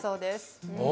お。